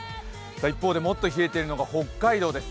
一方でもっと冷えているのが北海道です。